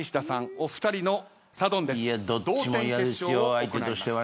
お二人のサドンデス同点決勝を行います。